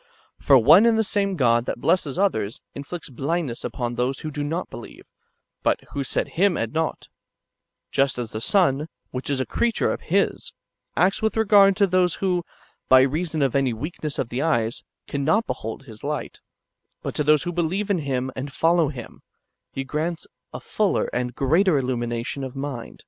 * For one and the same God [that blesses others] inflicts blindness upon those who do not believe, but who set Him at naught ; just as the sun, which is a creature of His, [acts with regard] to those who, b}^ reason of any weakness of the eyes, cannot behold his light ; but to those who believe in Him and follow Him, He grants a fuller and greater illumination of mind.